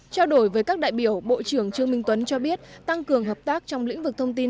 trao đổi với các đại biểu bộ trưởng trương minh tuấn cho biết tăng cường hợp tác trong lĩnh vực thông tin